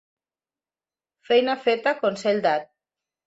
Feina feta, consell dat.